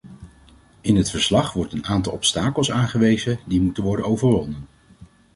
In het verslag wordt een aantal obstakels aangewezen die moeten worden overwonnen.